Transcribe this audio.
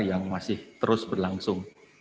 yang masih terus berlangsung